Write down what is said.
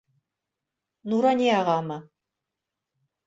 Нуранияғамы?